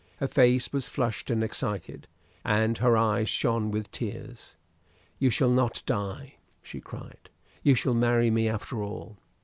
Her face was flushed and excited, and her eyes shone with tears. "You shall not die!" she cried, "you shall marry me after all."